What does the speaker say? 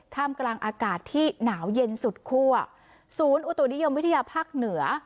ท่ามกลางอากาศที่หนาวเย็นสุดคั่วศูนย์อุตุนิยมวิทยาภาคเหนือ